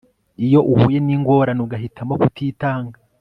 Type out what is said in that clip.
iyo uhuye n'ingorane ugahitamo kutitanga